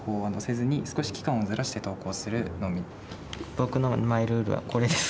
僕のマイルールはこれです。